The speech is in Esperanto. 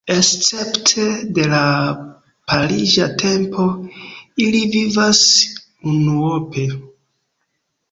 Escepte de la pariĝa tempo, ili vivas unuope.